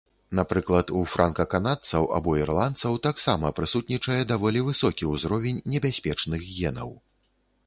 Напрыклад у франка-канадцаў або ірландцаў таксама прысутнічае даволі высокі ўзровень небяспечных генаў.